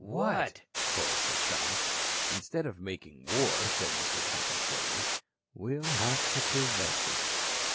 "What?" chorused the chums. "Instead of making war," said Mr. Temple slowly, "we'll have to prevent it."